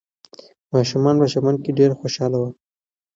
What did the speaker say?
ماشومان په چمن کې ډېر خوشحاله وو.